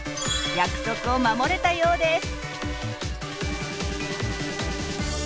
約束を守れたようです！